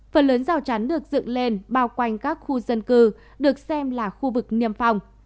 phần lớn rào chắn được dựng lên bao quanh các khu dân cư được xem là khu vực niêm phong